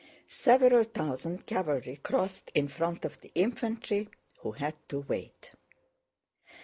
Several thousand cavalry crossed in front of the infantry, who had to wait.